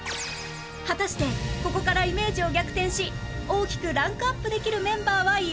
果たしてここからイメージを逆転し大きくランクアップできるメンバーはいるのか？